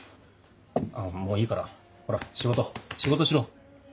もういいからほら仕事仕事しろ。